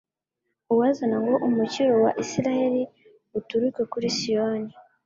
Uwazana ngo umukiro wa Israheli uturuke kuri Siyoni